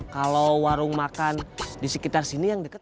kalau warung makan di sekitar sini yang dekat